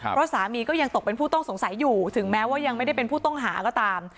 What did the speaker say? เพราะสามีก็ยังตกเป็นผู้ต้องสงสัยอยู่ถึงแม้ว่ายังไม่ได้เป็นผู้ต้องหาก็ตาม